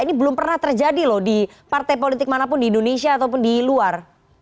ini belum pernah terjadi loh di partai politik manapun di indonesia ataupun di luar